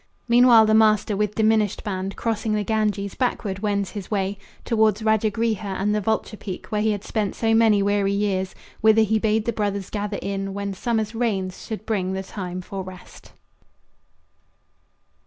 Meanwhile the master with diminished band Crossing the Ganges, backward wends his way Toward Rajagriha, and the vulture peak Where he had spent so many weary years, Whither he bade the brothers gather in When summer's rains should bring the time for rest.